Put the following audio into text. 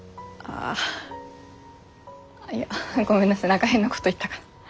あっいやごめんなさい何か変なこと言ったか。